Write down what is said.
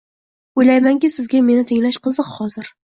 oʻylaymanki, sizga meni tinglash qiziq hozir.